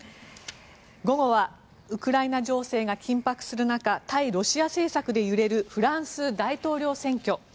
午後はウクライナ情勢が緊迫する中対ロシア政策で揺れるフランス大統領選挙。